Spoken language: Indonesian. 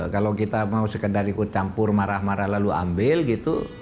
kalau kita mau sekedar ikut campur marah marah lalu ambil gitu